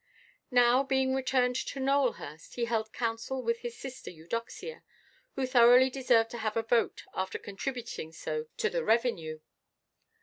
Now, being returned to Nowelhurst, he held counsel with sister Eudoxia, who thoroughly deserved to have a vote after contributing so to the revenue.